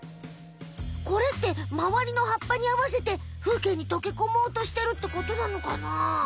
これってまわりのはっぱにあわせて風景にとけこもうとしてるってことなのかな？